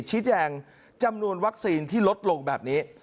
ชี้แจงจำนวนวัคซีนที่ลดลงแบบนี้